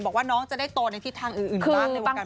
บอกว่าน้องจะได้โตในทิศทางอื่นบ้างในวงการ